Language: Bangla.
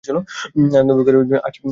আনন্দময়ী কহিলেন, আছে বৈকি বিনু!